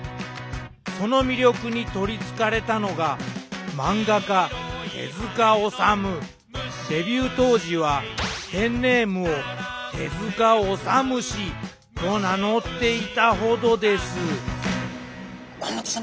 その魅力に取りつかれたのが漫画家デビュー当時はペンネームを手治虫と名乗っていたほどです甲本さま